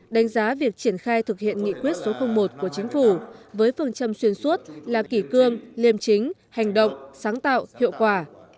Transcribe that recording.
đánh giá việc triển khai thực hiện nghị quyết số một của chính phủ với phương châm xuyên suốt là kỷ cương liêm chính hành động sáng tạo hiệu quả